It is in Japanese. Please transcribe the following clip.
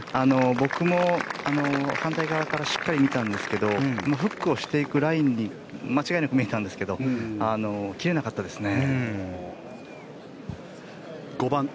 僕も反対側からしっかり見たんですがフックをしていくラインに間違いなく見えたんですが切れなかったですね。